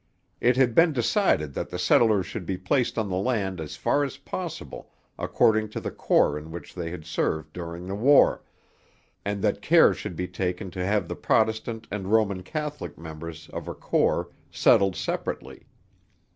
It had been decided that the settlers should be placed on the land as far as possible according to the corps in which they had served during the war, and that care should be taken to have the Protestant and Roman Catholic members of a corps settled separately.